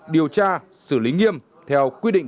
điều tra xử lý nghiêm theo quy định